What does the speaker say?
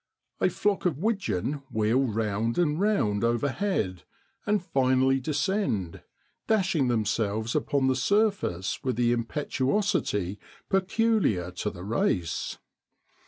A flock of widgeon wheel round and round overhead, and finally descend, dashing themselves upon the surface with the impetuosity peculiar to the race.